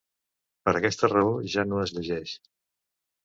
Per aquesta raó ja no es llegeix.